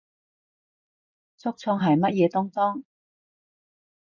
竹蟲係乜嘢東東？